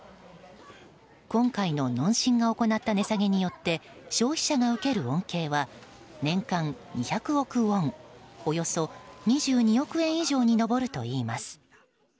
今回の農心が行った値下げによって消費者が受ける恩恵は年間２００億ウォンおよそ２２億円以上に上るといいます。